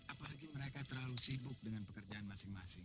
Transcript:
apalagi mereka terlalu sibuk dengan pekerjaan masing masing